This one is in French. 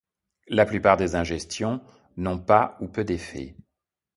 La plupart des ingestions n'ont pas ou peu d'effets.